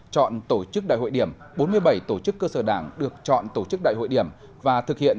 chọn tổ chức đại hội điểm bốn mươi bảy tổ chức cơ sở đảng được chọn tổ chức đại hội điểm và thực hiện